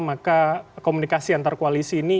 maka komunikasi antar koalisi ini